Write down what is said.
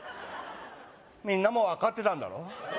みんなも分かってたんだろ？